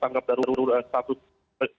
tanggap darurat status berkecuali